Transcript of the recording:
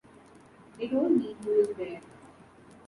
They told me he was there.